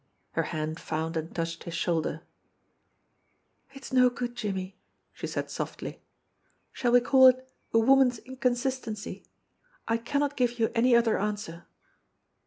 Her hand found and touched his shoulder. "It's no good, Jimmie," she said softly. "Shall we call it a woman's inconsistency? I cannot give you any other answer."